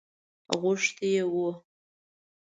غوښتی وو.